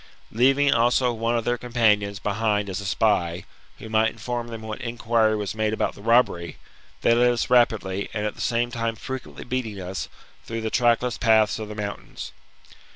Leaving also one of their companions behind as a spy, who might inform them what in quiry was made about the robbery, they led us rapidly, and at the same time frequently beating us, through the trackless paths of the mountains.